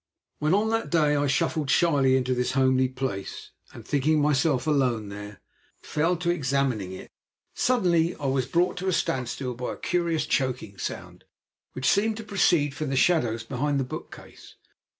When, on that day, I shuffled shyly into this homely place, and, thinking myself alone there, fell to examining it, suddenly I was brought to a standstill by a curious choking sound which seemed to proceed from the shadows behind the bookcase.